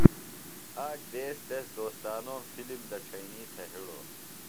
آک دیس تس دوستانوم فِلم دڇھئینی تھےۡ ہِڑوۡ۔